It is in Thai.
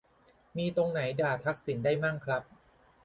มีตรงไหนด่าทักษิณได้มั่งครับ